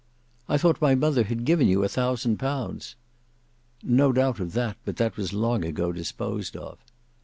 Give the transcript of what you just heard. "I thought my mother had given you a thousand pounds." "No doubt of that, but that was long ago disposed of."